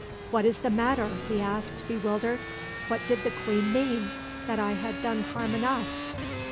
"What is the matter?" he asked, bewildered. "What did the queen mean that I had done harm enough?"